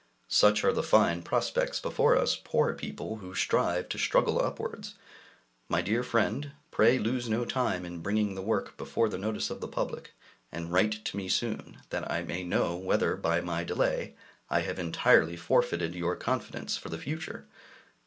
Such are the fine prospects before us poor people who strive to struggle upwards! My dear friend, pray lose no time in bringing the work before the notice of the public, and write to me soon, that I may know whether by my delay I have entirely forfeited your confidence for the future.